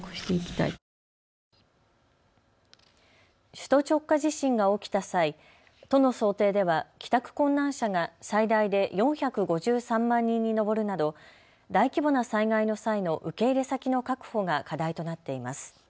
首都直下地震が起きた際、都の想定では帰宅困難者が最大で４５３万人に上るなど大規模な災害の際の受け入れ先の確保が課題となっています。